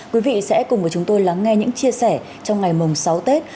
quý vị sẽ cùng với chúng tôi lắng nghe những chia sẻ trong ngày mùng sáu tết